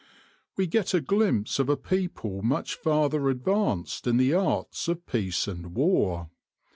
We get a glimpse of a people much farther advanced in the arts of peace and war.